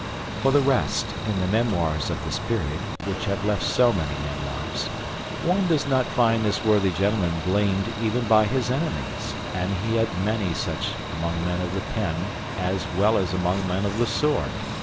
For the rest, in the memoirs of this period, which has left so many memoirs, one does not find this worthy gentleman blamed even by his enemies; and he had many such among men of the pen as well as among men of the sword.